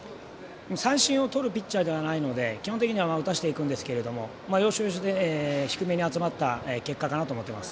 三振をとるピッチャーではないので基本的には打たせていくんですが要所要所で低めに集まった結果かなと思っています。